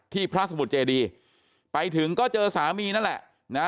พระสมุทรเจดีไปถึงก็เจอสามีนั่นแหละนะ